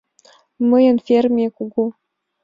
Мыйын ферме кугу.